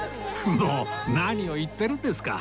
もう！何を言ってるんですか